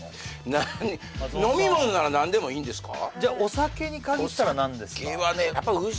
何飲み物なら何でもいいんですか？